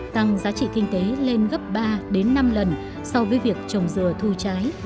tăng giá trị kinh tế lên gấp ba năm lần so với việc trồng dừa thu trái